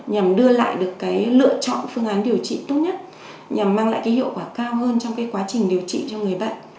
nhằm đưa lại được lựa chọn phương án điều trị tốt nhất nhằm mang lại hiệu quả cao hơn trong quá trình điều trị cho người bệnh